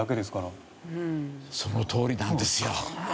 そのとおりなんですよ。